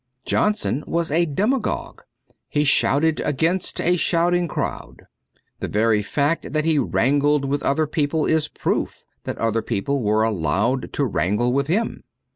Johnson was a demagogue, he shouted against a shouting crowd. The very fact that he wrangled with other people is a proof that other people were allowed to wrangle with him.